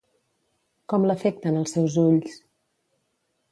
Com l'afecten els seus ulls?